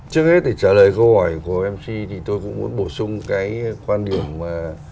trước hết thì trả lời câu hỏi của mc thì tôi cũng muốn bổ sung cái quan điểm mà